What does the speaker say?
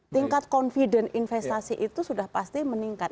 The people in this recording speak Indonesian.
tingkat confident investasi itu sudah pasti meningkat